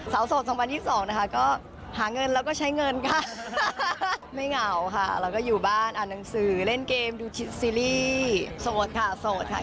โสด๒๐๒๒นะคะก็หาเงินแล้วก็ใช้เงินค่ะไม่เหงาค่ะแล้วก็อยู่บ้านอ่านหนังสือเล่นเกมดูซีรีส์โสดค่ะโสดค่ะ